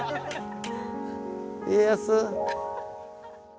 家康。